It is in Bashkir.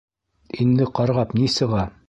Инде ҡарғап ни сыға?